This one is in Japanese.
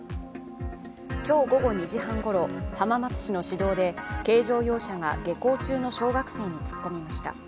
今日午後２時半ごろ浜松市の市道で軽乗用車が下校中の小学生に突っ込みました。